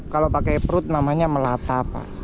kalau pakai perut namanya melata pak